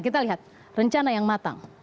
kita lihat rencana yang matang